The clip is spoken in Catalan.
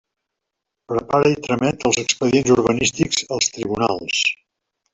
Prepara i tramet els expedients urbanístics als tribunals.